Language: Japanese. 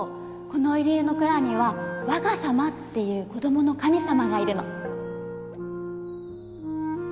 この家の蔵にはわが様っていう子供の神様がいるの